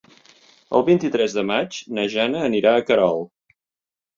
El vint-i-tres de maig na Jana anirà a Querol.